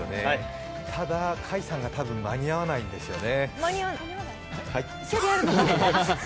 ただ、甲斐さんが多分間に合わないんですよね。